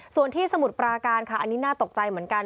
ส่วนที่สมุทรปราการค่ะอันนี้น่าตกใจเหมือนกัน